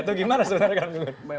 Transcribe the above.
itu gimana sebenarnya kang gun gun